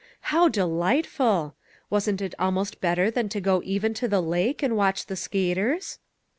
How delightful! Wasn't it almost better than to go even to the lake and watch the skaters?